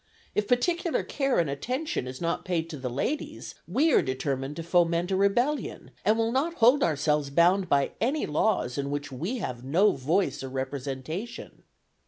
If particular care and attention is not paid to the ladies, we are determined to foment a rebellion, and will not hold ourselves bound by any laws in which we have no voice or representation.